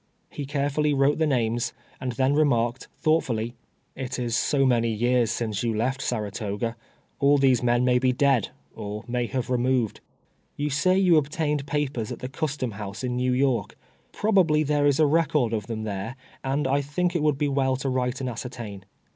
He care fully wrote the names, and then remarked, thought fully " It is so many years since you left Saratoga, all these men may be dead, or nuiy have removed. You say you obtained papers at the custom house in New York. Probably there is a record of them there, and I ihink it would be well to write and ascertain."